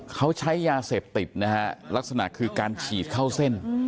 เขาใช้ยาเสพติดนะฮะลักษณะคือการฉีดเข้าเส้น